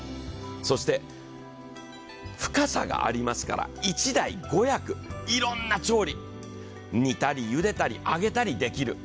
そして深さがありますから１台５役、いろんな調理、煮たり、ゆでたり、揚げたりできる。